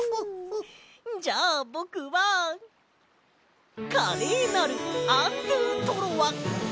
じゃあぼくは華麗なるアンドゥトロワ！